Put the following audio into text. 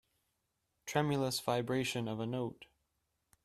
Tremulous vibration of a note.